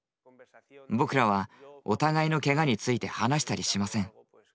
僕らはお互いのケガについて話したりしません。